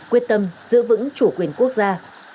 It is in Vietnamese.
quyết tâm giữ vững chủ quyền quốc gia